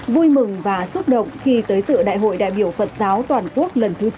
vui mừng và xúc động khi tới sự đại hội đại biểu phật giáo toàn quốc lần thứ chín